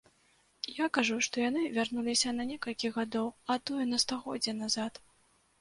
Я кажу, што яны вярнуліся на некалькі гадоў, а то і на стагоддзе назад.